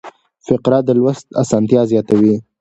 فقره د لوست اسانتیا زیاتوي.